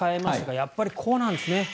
やっぱりこうなんですね。